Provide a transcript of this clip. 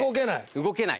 動けない。